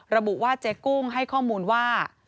ระบุว่าเจ๊กุ้งให้ข้อมูลว่า